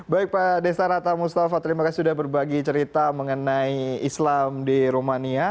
baik pak desa rata mustafa terima kasih sudah berbagi cerita mengenai islam di rumania